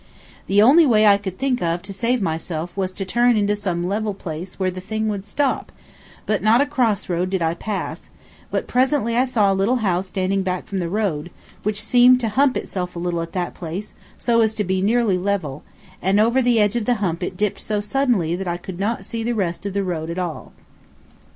The only way I could think of to save myself was to turn into some level place where the thing would stop, but not a crossroad did I pass; but presently I saw a little house standing back from the road, which seemed to hump itself a little at that place so as to be nearly level, and over the edge of the hump it dipped so suddenly that I could not see the rest of the road at all.